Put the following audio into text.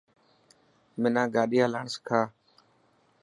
منا گاڏي هلاڻ سکا.